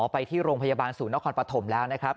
ไปที่โรงพยาบาลศูนย์นครปฐมแล้วนะครับ